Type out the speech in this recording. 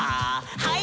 はい。